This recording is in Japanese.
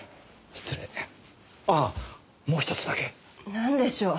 なんでしょう？